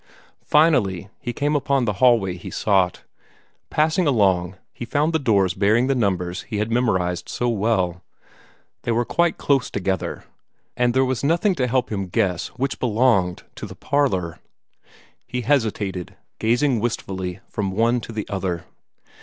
Finally he came upon the hall way he sought. Passing along, he found the doors bearing the numbers he had memorized so well. They were quite close together, and there was nothing to help him guess which belonged to the parlor. He hesitated, gazing wistfully from one to the other.